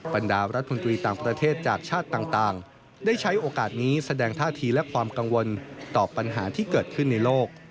บรรดารัฐมนตรีต่างประเทศจากชาติต่างได้ใช้โอกาสนี้แสดงท่าทีและความกังวลต่อปัญหาที่เกิดขึ้นในโลก